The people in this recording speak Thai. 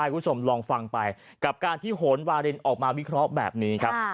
คุณผู้ชมลองฟังไปกับการที่โหนวารินออกมาวิเคราะห์แบบนี้ครับ